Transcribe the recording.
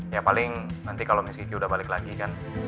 ya paling nanti kalau misky udah balik lagi kan